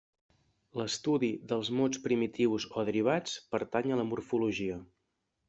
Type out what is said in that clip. L'estudi dels mots primitius o derivats pertany a la morfologia.